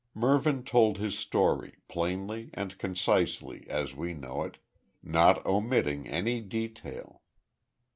Mervyn told his story, plainly and concisely, as we know it not omitting any detail.